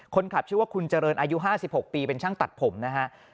คนขับชื่อว่าคุณเจริญอายุ๕๖ปีเป็นช่างตัดผมนะฮะ